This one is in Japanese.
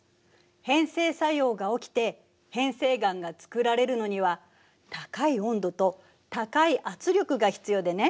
変成作用が起きて変成岩がつくられるのには高い温度と高い圧力が必要でね。